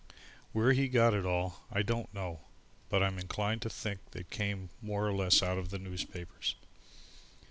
Where he got it all, I don't know, but I am inclined to think it came more or less out of the newspapers.